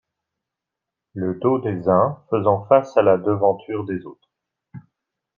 Le dos des uns faisant face à la devanture des autres.